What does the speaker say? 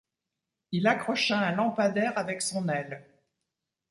Il accrocha un lampadaire avec son aile.